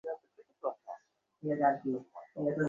পুঁজি আকর্ষণের জন্য বিশ্বের সব দেশ এখন আরও অনেক বেশি মরিয়া।